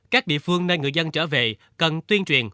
các địa phương nơi người dân trở về cần tuyên truyền